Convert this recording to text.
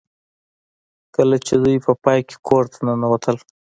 کله چې دوی په پای کې کور ته ننوتل